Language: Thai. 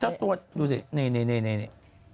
เจ้าตัวดูสินี่